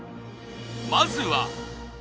まずは。